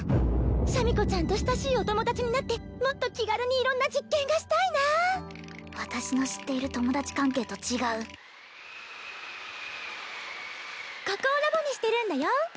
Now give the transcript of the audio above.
シャミ子ちゃんと親しいお友達になってもっと気軽に色んな実験がしたいなあ私の知っている友達関係と違うここをラボにしてるんだよ